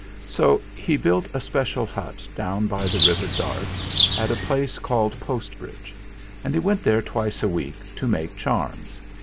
So he built a special hut down by the river Dart at a place called Post bridge, and he went there twice a week to make charms.